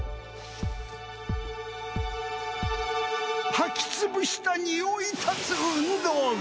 履きつぶしたにおい立つ運動靴。